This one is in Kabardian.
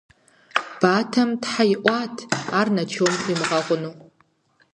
Батэм тхьэ иӀуат ар Начом хуимыгъэгъуну.